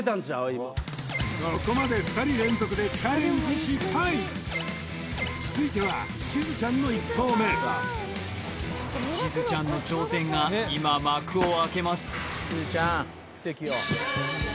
今のここまで２人連続でチャレンジ失敗続いてはしずちゃんの１投目しずちゃんの挑戦が今幕を開けます